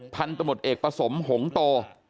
พันธมตเอกประสมหงโต